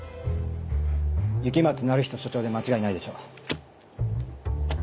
雪松鳴人署長で間違いないでしょう。